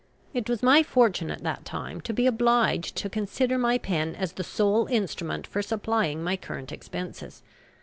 It was my fortune at that time to be obliged to consider my pen as the sole instrument for supplying my current expenses.